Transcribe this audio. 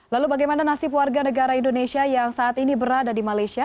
lalu bagaimana nasib warga negara indonesia yang saat ini berada di malaysia